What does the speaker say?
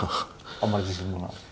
あんまり自信はない。